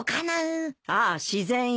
「ああ、自然よ。